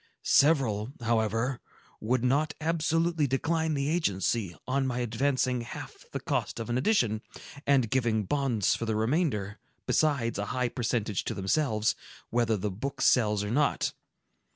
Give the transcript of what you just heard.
Several, however, would not absolutely decline the agency, on my advancing half the cost of an edition, and giving bonds for the remainder, besides a high percentage to themselves, whether the book sells or not.